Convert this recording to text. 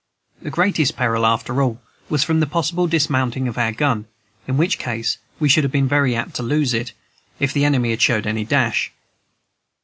The greatest peril, after all, was from the possible dismounting of our gun, in which case we should have been very apt to lose it, if the enemy had showed any dash.